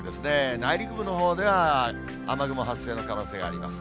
内陸部のほうでは雨雲発生の可能性があります。